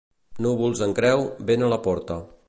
Núvols en creu, vent a la porta.